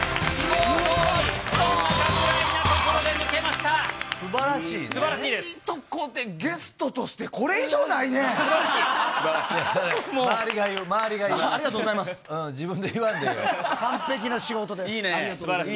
いいとこで、ゲストとしてこすばらしい。